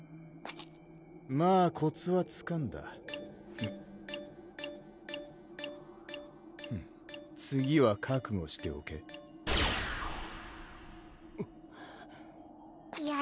まぁコツはつかんだ次は覚悟しておけ嫌